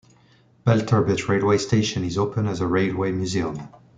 Belturbet railway station is open as a railway museum.